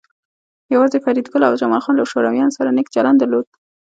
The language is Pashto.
یوازې فریدګل او جمال خان له شورویانو سره نیک چلند درلود